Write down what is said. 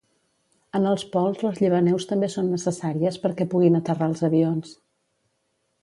En els pols les llevaneus també són necessàries perquè puguin aterrar els avions.